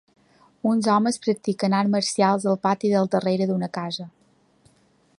Uns homes practiquen arts marcials al pati del darrere d'una casa.